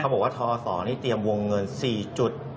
เขาบอกว่าทศนี่เตรียมวงเงิน๔๑๒๐ล้านบาท